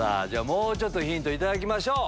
もうちょっとヒント頂きましょう。